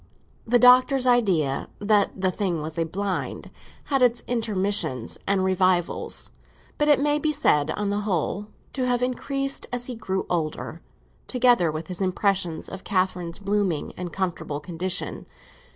The Doctor's idea that the thing was a "blind" had its intermissions and revivals; but it may be said on the whole to have increased as he grew older; together with his impression of Catherine's blooming and comfortable condition.